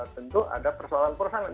tentu ada persoalan perusahaan